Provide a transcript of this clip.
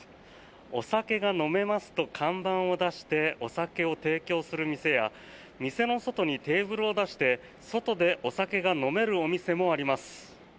お酒が飲めますと看板を出してお酒を提供する店や店の外にテーブルを出して外でお酒が飲める店もあります。